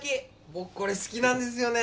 僕これ好きなんですよね。